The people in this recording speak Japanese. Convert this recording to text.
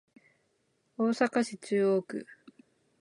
大阪市中央区